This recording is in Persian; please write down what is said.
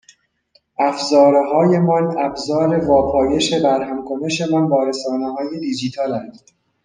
افزارههایمان ابزار واپایش برهمکنشمان با رسانههای دیجیتالند